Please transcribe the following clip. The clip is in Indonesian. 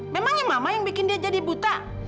memangnya mama yang bikin dia jadi buta